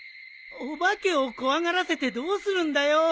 お化けを怖がらせてどうするんだよ。